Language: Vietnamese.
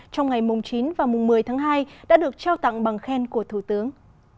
trong ngày chín và mùng một mươi tháng hai đã được trao tặng bằng khen của thủ tướng